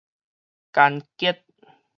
乾竭